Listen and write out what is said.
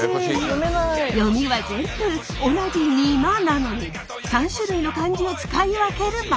読みは全部同じ「にま」なのに３種類の漢字を使い分ける町。